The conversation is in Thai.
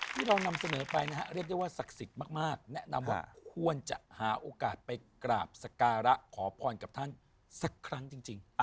ที่เรานำเสนอไปนะฮะเรียกได้ว่าศักดิ์สิทธิ์มากแนะนำว่าควรจะหาโอกาสไปกราบสการะขอพรกับท่านสักครั้งจริง